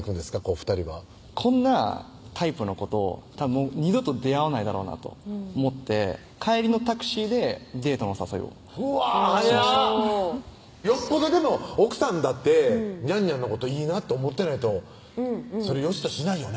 ２人はこんなタイプの子と二度と出会わないだろうなと思って帰りのタクシーでデートの誘いをしましたよっぽどでも奥さんだってにゃんにゃんのこといいなって思ってないとそれよしとしないよね